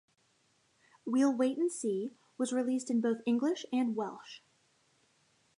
We'll Wait and See was released in both English and Welsh.